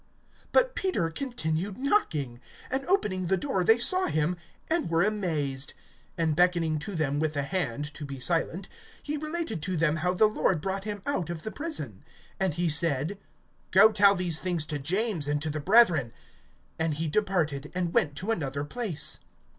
(16)But Peter continued knocking; and opening the door they saw him, and were amazed. (17)And beckoning to them with the hand to be silent, he related to them how the Lord brought him out of the prison. And he said: Go tell these things to James, and to the brethren. And he departed, and went to another place.